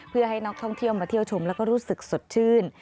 เพื่อให้นักท่องเที่ยวมาเที่ยวชมแล้วก็รู้สึกสดชื่น